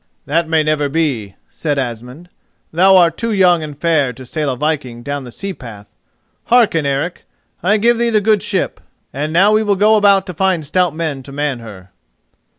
"That may never be," said Asmund; "thou art too young and fair to sail a viking down the sea path. Hearken, Eric: I give thee the good ship, and now we will go about to find stout men to man her."